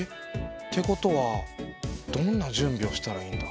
ってことはどんな準備をしたらいいんだ。